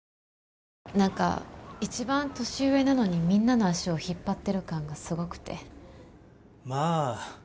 何か一番年上なのにみんなの足を引っ張ってる感がすごくてまあ結構なプレッシャーだよね